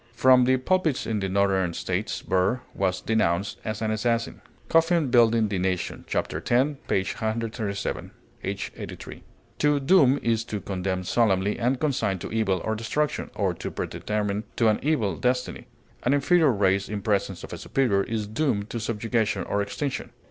From the pulpits in the northern States Burr was denounced as an assassin. COFFIN Building the Nation ch. 10, p. 137. [H. '83.] To doom is to condemn solemnly and consign to evil or destruction or to predetermine to an evil destiny; an inferior race in presence of a superior is doomed to subjugation or extinction.